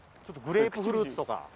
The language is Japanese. ちょっとグレープフルーツとか。